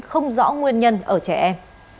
không rõ nguyên nhân ở trẻ em